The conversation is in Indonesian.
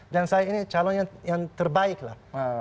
dan saya ini calon yang terbaik lah